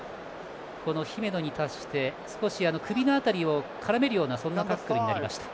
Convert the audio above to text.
姫野に対して、少し首の辺りを絡めるようなタックルになりました。